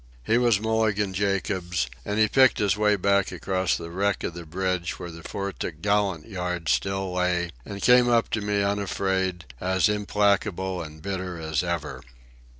He was Mulligan Jacobs; and he picked his way back across the wreck of the bridge where the fore topgallant yard still lay, and came up to me unafraid, as implacable and bitter as ever.